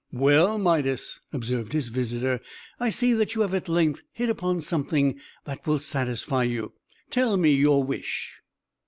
"Well, Midas," observed his visitor, "I see that you have at length hit upon something that will satisfy you. Tell me your wish."